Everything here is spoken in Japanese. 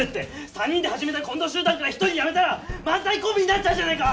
３人で始めたコント集団から１人やめたら漫才コンビになっちゃうじゃないか！